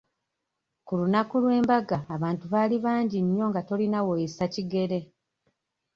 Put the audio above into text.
Ku lunaku lw'embaga abantu baali bangi nnyo nga tolina w'oyisa kigere.